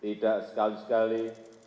tidak sekalig sekali